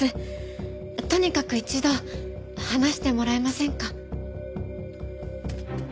とにかく一度話してもらえませんか？